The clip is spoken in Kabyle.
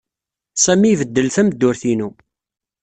Sami ibeddel tameddurt-inu.